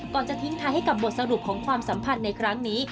จะทิ้งท้ายให้กับบทสรุปของความสัมพันธ์ในครั้งนี้